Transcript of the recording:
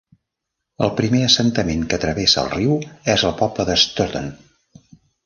El primer assentament que travessa el riu és el poble de Stourton.